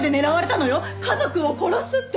「家族を殺す」って。